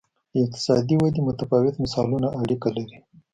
د اقتصادي ودې متفاوت مثالونه اړیکه لري.